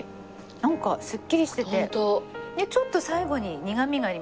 なんかスッキリしててちょっと最後に苦みがありますね。